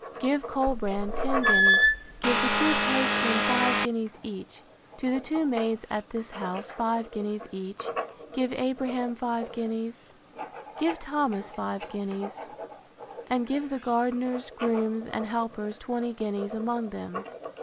Give Colbrand ten guineas: give the two coachmen five guineas each; to the two maids at this house five guineas each; give Abraham five guineas; give Thomas five guineas; and give the gardeners, grooms, and helpers, twenty guineas among them.